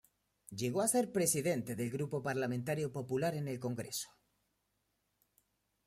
Llegó a ser presidente del grupo parlamentario popular en el Congreso.